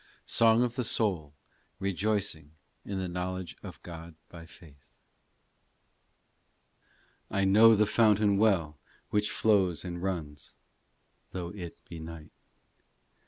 SONG OF THE SOUL REJOICING IN THE KNOWLEDGE OF GOD BY FAITH I KNOW the fountain well which flows and runs, Though it be night.